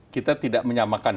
kita tidak menyamakan